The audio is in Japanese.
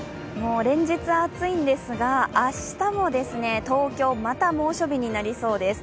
連日暑いんですが明日も東京はまた猛暑日になりそうです。